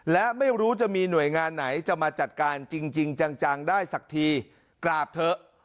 และไม่รู้จะมีหน่วยงานไหนจะมาจัดการจริงจังได้สักทีกราบเถอะ